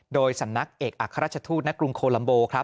โดยสำนักเอกอัครราชทูตณกรุงโคลัมโบครับ